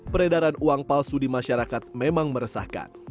peredaran uang palsu di masyarakat memang meresahkan